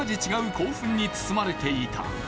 興奮に包まれていた。